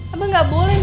abah enggak boleh nih